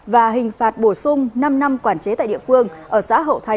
và hình phạt bổ sung năm năm quản chế tại địa phương